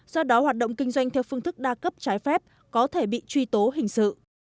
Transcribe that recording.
do đó hoạt động kinh doanh theo phương thức đa cấp trái phép có thể bị truy tố hình sự